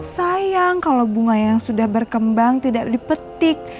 sayang kalau bunga yang sudah berkembang tidak dipetik